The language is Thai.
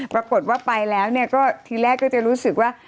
ปรากฏว่าไปแล้วก็ทีแรกก็จะรู้สึกว่า